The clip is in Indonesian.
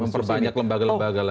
memperbanyak lembaga lembaga lagi